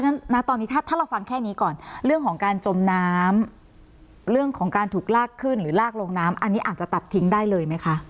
ฉะตอนนี้ถ้าเราฟังแค่นี้ก่อนเรื่องของการจมน้ำเรื่องของการถูกลากขึ้นหรือลากลงน้ำอันนี้อาจจะตัดทิ้งได้เลยไหมคะ